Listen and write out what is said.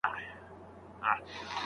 هیبت باید له منځه ولاړ نه سي.